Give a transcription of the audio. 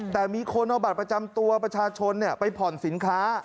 แต่มีคนเอาบัตรประจำตัวประชาชนไปผ่อนสินค้า